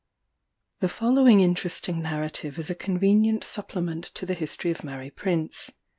The following interesting narrative is a convenient supplement to the history of Mary Prince.